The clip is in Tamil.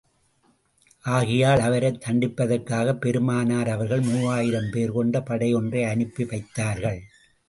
ஆகையால், அவரைத் தண்டிப்பதற்காகப் பெருமானார் அவர்கள் மூவாயிரம் பேர் கொண்ட படை ஒன்றை அனுப்பி வைத்தார்கள்.